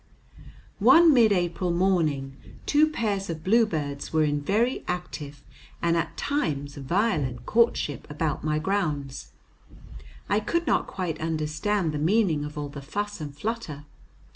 One mid April morning two pairs of bluebirds were in very active and at times violent courtship about my grounds. I could not quite understand the meaning of all the fuss and flutter.